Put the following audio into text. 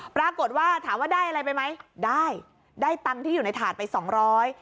ปรากฏว่าถามว่าได้อะไรไปไหมได้ได้ตังค์ที่อยู่ในถาดไปสองร้อย